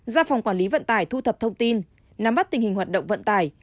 ra phòng quản lý vận tải thu thập thông tin nắm bắt tình hình hoạt động vận tải